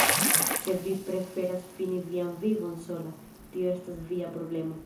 Se vi preferas fini vian vivon sola, tio estas via problemo.